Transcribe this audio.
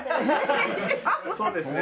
そうですね。